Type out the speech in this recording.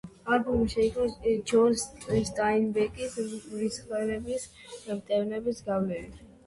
ალბომი შეიქმნა ჯონ სტაინბეკის „მრისხანების მტევნების“ გავლენით.